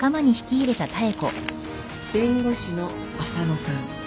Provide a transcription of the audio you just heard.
弁護士の浅野さん。